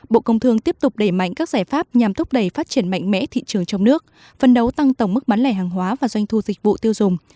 bộ công thương tiếp tục đẩy mạnh các giải pháp nhằm thúc đẩy phát triển mạnh mẽ thị trường trong nước phân đấu tăng tổng mức bán lẻ hàng hóa và doanh thu dịch vụ tiêu dùng